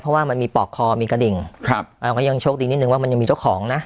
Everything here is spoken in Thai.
เพราะว่ามันมีปอกคอมีกระดิ่งครับอ่าก็ยังโชคดีนิดนึงว่ามันยังมีเจ้าของนะ